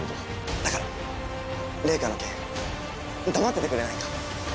だから玲香の件黙っててくれないか？